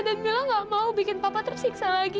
dan mila gak mau bikin papa tersiksa lagi